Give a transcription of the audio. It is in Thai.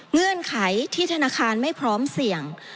เงื่อนไขที่ธนาคารไม่พร้อมเสี่ยง